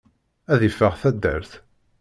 Ad yeffeɣ taddart!